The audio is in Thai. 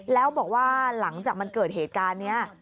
แล้วบอกว่าหลังจากมันเกิดเหตุการณ์นี้